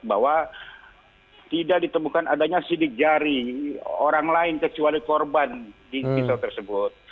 bahwa tidak ditemukan adanya sidik jari orang lain kecuali korban di pisau tersebut